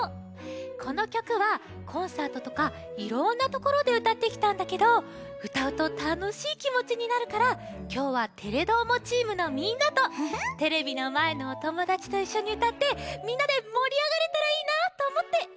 このきょくはコンサートとかいろんなところでうたってきたんだけどうたうとたのしいきもちになるからきょうは「テレどーも！」チームのみんなとテレビのまえのおともだちといっしょにうたってみんなでもりあがれたらいいなとおもってえらびました。